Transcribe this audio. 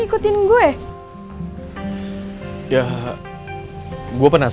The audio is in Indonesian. kita udah pulang